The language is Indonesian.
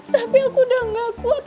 tapi aku udah gak kuat